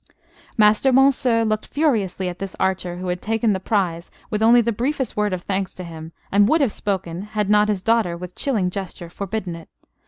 Master Monceux looked furiously at this archer who had taken the prize with only the briefest word of thanks to him: and would have spoken, had not his daughter, with chilling gesture, forbidden it.